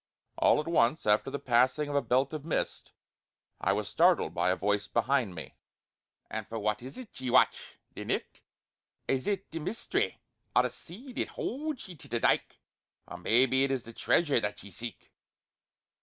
All at once, after the passing of a belt of mist, I was startled by a voice behind me: "And for what is it ye watch, the nicht? Is it the Mystery o' the Sea that holds ye to the dyke; or maybe it is the treasure that ye seek!"